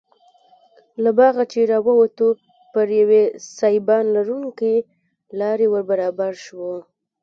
له باغه چې راووتو پر یوې سایبان لرونکې لارې وربرابر شوو.